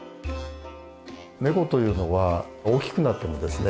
ネコというのは大きくなってもですね